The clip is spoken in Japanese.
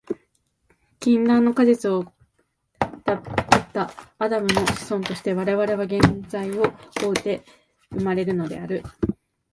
禁断の果実を食ったアダムの子孫として、我々は原罪を負うて生まれるのである。